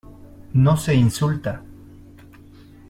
no se insulta.